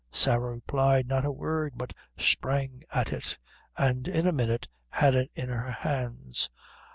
Sarah replied not a word, but sprang at it, and in a minute had it in her hands.